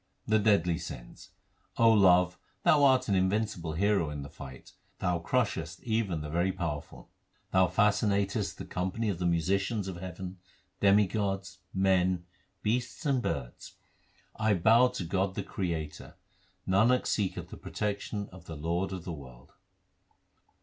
The deadly sins : love, thou art an invincible hero in the fight ; thou crustiest even the very powerful. Thou fascinatest the company of the musicians of heaven, demigods, men, beasts, and birds. 1 1 bow to God the Creator ; Nanak seeketh the protection of the Lord of the world.